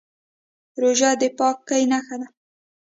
روژه د پاکۍ نښه ده.